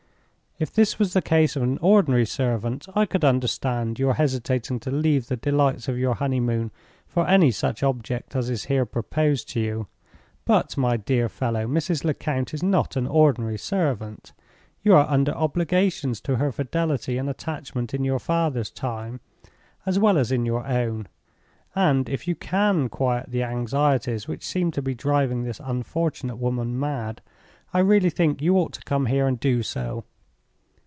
If this was the case of an ordinary servant, I could understand your hesitating to leave the delights of your honeymoon for any such object as is here proposed to you. But, my dear fellow, Mrs. Lecount is not an ordinary servant. You are under obligations to her fidelity and attachment in your father's time, as well as in your own; and if you can quiet the anxieties which seem to be driving this unfortunate woman mad, I really think you ought to come here and do so.